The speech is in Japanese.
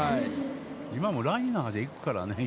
今はライナーで行くからね。